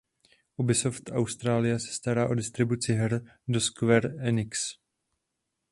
Ubisoft Australia se stará o distribuci her od Square Enix.